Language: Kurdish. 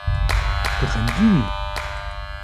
Tu xemgîn î.